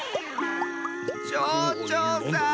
ちょうちょうさん。